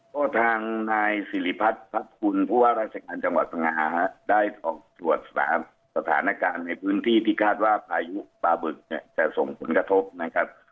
ก็ทางนายสิริพัฒน์พักคุณผู้ว่าราชการจังหวัดสงหาได้ออกตรวจสถานการณ์ในพื้นที่ที่คาดว่าพายุปลาบึกเนี่ยจะส่งผลกระทบนะครับ